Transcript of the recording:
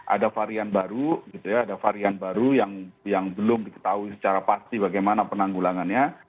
ada varian baru ada varian baru yang belum diketahui secara pasti bagaimana penanggulangannya